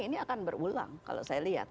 ini akan berulang kalau saya lihat